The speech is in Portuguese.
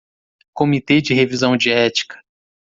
Comitê de revisão de ética